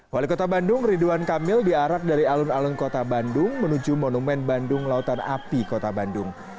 wali kota bandung ridwan kamil diarak dari alun alun kota bandung menuju monumen bandung lautan api kota bandung